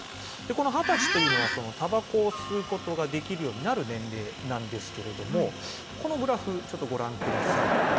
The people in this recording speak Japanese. この２０歳というのはたばこを吸うことができるようになる年齢なんですけれども、このグラフ、ちょっとご覧ください。